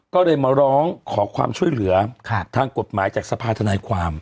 ก็เลยมาร้องขอความช่วยเหลือทางกฎหมายจากสภาธนายความ